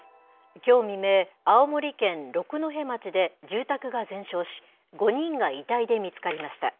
きょう未明、青森県六戸町で住宅が全焼し５人が遺体で見つかりました。